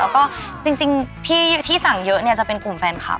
แล้วก็จริงพี่ที่สั่งเยอะเนี่ยจะเป็นกลุ่มแฟนคลับ